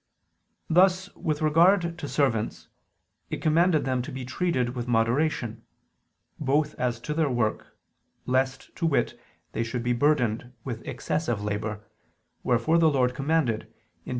Thus, with regard to servants, it commanded them to be treated with moderation both as to their work, lest, to wit, they should be burdened with excessive labor, wherefore the Lord commanded (Deut.